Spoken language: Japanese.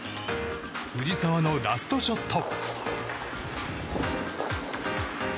藤澤のラストショット。